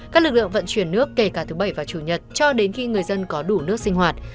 các lực lượng vận chuyển nước kể cả thứ bảy và chủ nhật cho đến khi người dân có đủ nước sinh hoạt